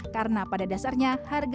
karena pada dasarnya harga